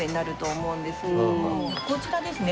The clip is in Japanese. こちらですね。